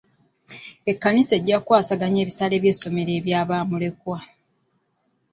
Ekkanisa ejja kukwasaganya ebisale by'essomero ebya bamulekwa.